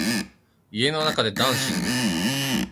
家の中でダンシング